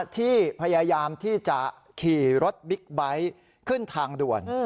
ที่พยายามที่จะขี่รถบิ๊กไบท์ขึ้นทางด่วน